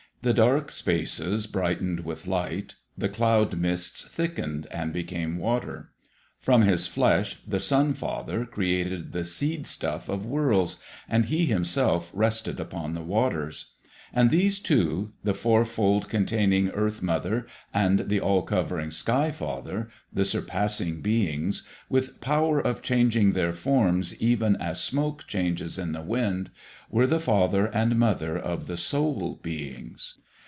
The dark spaces brightened with light. The cloud mists thickened and became water. From his flesh, the Sun father created the Seed stuff of worlds, and he himself rested upon the waters. And these two, the Four fold containing Earth mother and the All covering Sky father, the surpassing beings, with power of changing their forms even as smoke changes in the wind, were the father and mother of the soul beings.